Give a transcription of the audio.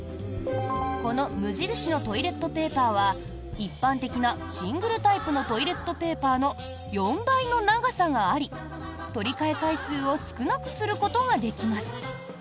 この無印のトイレットペーパーは一般的なシングルタイプのトイレットペーパーの４倍の長さがあり取り替え回数を少なくすることができます。